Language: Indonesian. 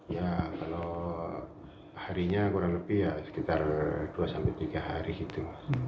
ya kalau harinya kurang lebih ya sekitar dua sampai tiga hari gitu